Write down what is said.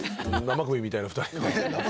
生首みたいな２人が。